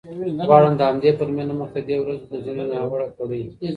غواړم د همدې پلمې له مخې د دې ورځو د ځینو ناوړه کړیو